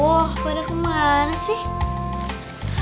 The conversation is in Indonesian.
wah pada kemana sih